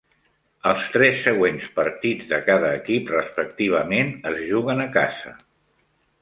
Els tres següents partits de cada equip respectivament es juguen a casa.